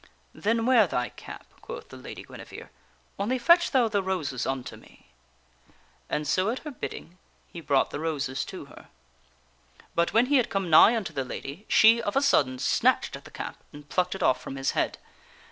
"Then wear thy cap," quoth the Lady Guinevere. " Only fetch thou the roses unto me." And so at her bidding, he brought the roses to her. But when he had come nigh unto the lady, she, of a sudden, snatched at the cap and plucked it off from his head.